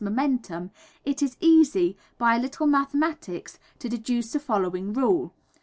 momentum, it is easy, by a little mathematics, to deduce the following rule.